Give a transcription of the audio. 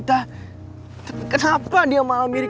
makanya dia magis sih